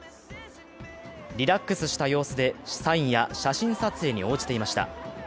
リラックスした様子でサインや写真撮影に応じていました。